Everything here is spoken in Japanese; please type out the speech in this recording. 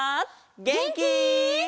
げんき？